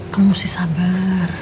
kamu sih sabar